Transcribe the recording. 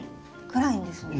暗いんですね。